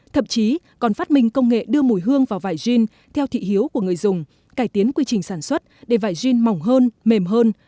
thậm chí còn phát minh công nghệ đưa mùi hương vào vải jean theo thị hiếu của người dùng cải tiến quy trình sản xuất để vải jean mỏng hơn mềm hơn